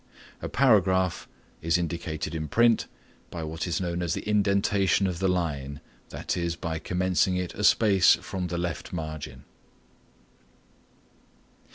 A paragraph is indicated in print by what is known as the indentation of the line, that is, by commencing it a space from the left margin.